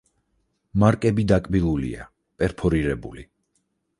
მარკები დაკბილულია, პერფორირებული.